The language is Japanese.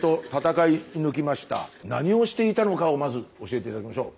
何をしていたのかをまず教えて頂きましょう。